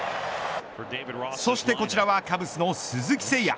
そしてこちらはカブスの鈴木誠也。